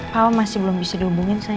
pao masih belum bisa dihubungin sayang